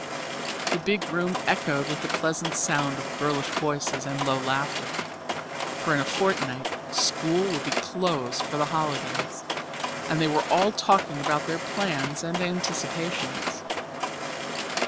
The big room echoed with the pleasant sound of girlish voices and low laughter, for in a fortnight school would close for the holidays, and they were all talking about their plans and anticipations.